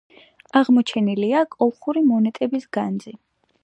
აღმოჩენილია კოლხური მონეტების განძი.